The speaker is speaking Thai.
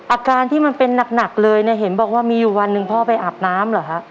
อาการที่มันเป็นหนักเลยเนี่ยเห็นบอกว่ามีอยู่วันหนึ่งพ่อไปอาบน้ำเหรอฮะ